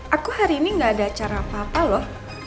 aku hari ini gak ada acara apa apa loh